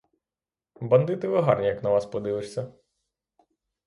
Бандити ви гарні, як на вас подивишся.